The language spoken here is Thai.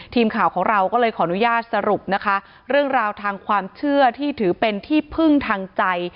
ทีมข่าวของเราก็เลยขออนุญาตสรุปนะคะเรื่องราวทางความเชื่อที่ถือเป็นที่พึ่งทางใจ